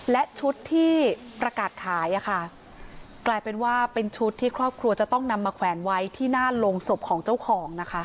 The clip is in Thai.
และชุดที่ประกาศขายอ่ะค่ะกลายเป็นว่าเป็นชุดที่ครอบครัวจะต้องนำมาแขวนไว้ที่หน้าโรงศพของเจ้าของนะคะ